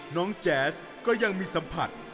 แจ๊สก็ยังมีสัมผัส